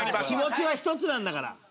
気持ちは一つなんだから。